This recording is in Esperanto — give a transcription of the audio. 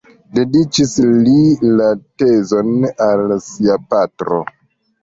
Dediĉis li la tezon al sia patro.